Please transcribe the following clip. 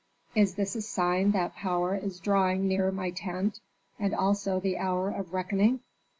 Is this a sign that power is drawing near my tent, and also the hour of reckoning?"